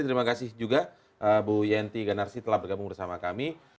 terima kasih juga bu yenty ganarsi telah bergabung bersama kami